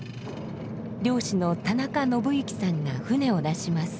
漁師の田中伸幸さんが船を出します。